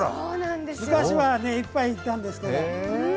昔はいっぱいいたんですけど。